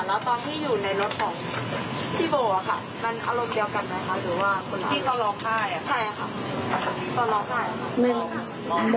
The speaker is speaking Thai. แล้วตอนที่อยู่ในรถของพี่โบ่อ่ะค่ะมันอารมณ์เดียวกันไหมค่ะ